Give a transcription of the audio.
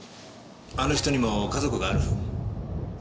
あの人にも家族がある。